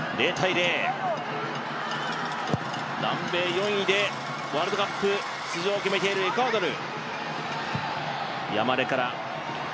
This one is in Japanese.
南米４位でワールドカップ出場を決めているエクアドル。